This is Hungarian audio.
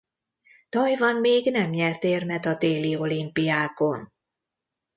Tajvan még nem nyert érmet a téli olimpiákon.